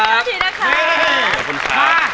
ขอบคุณทีนะครับ